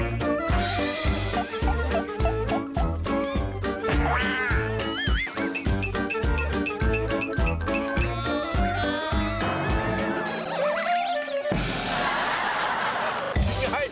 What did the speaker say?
สวัสดีครับ